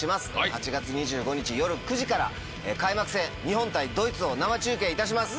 ８月２５日夜９時から開幕戦日本対ドイツを生中継いたします。